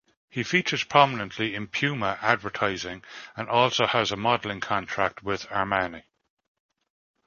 He features prominently in Puma advertising and also has a modeling contract with Armani.